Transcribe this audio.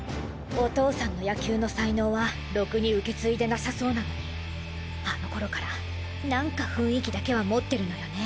お父さんの野球の才能はろくに受け継いでなさそうなのにあのころからなんか雰囲気だけは持ってるのよね